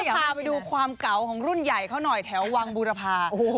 พาไปดูความเก่าของรุ่นใหญ่เขาหน่อยแถววังบูรพา